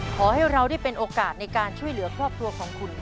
ขอให้เราได้เป็นโอกาสในการช่วยเหลือครอบครัวของคุณ